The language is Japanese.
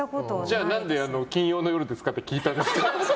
じゃあ、何で金曜の夜ですか？って聞いたんですか？